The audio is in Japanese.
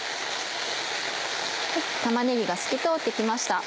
玉ねぎが透き通って来ました。